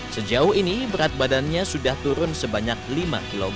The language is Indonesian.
sejauh ini berat badannya sudah turun sebanyak lima kg